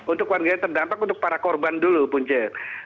untuk warga yang terdampak untuk para korban dulu punce